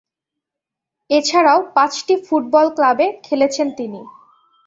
এছাড়াও, পাঁচটি ফুটবল ক্লাবে খেলেছেন তিনি।